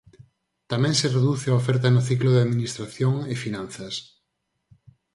Tamén se reduce a oferta no Ciclo de Administración e Finanzas.